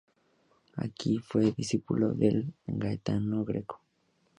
Aquí fue discípulo de Gaetano Greco.